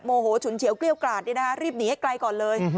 โหฉุนเฉียวเกลี้ยวกราดรีบหนีให้ไกลก่อนเลย